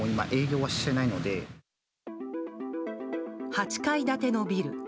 ８階建てのビル。